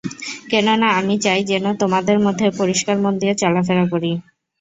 কেননা আমি চাই, যেন তোমাদের মধ্যে পরিষ্কার মন নিয়ে চলাফেরা করি।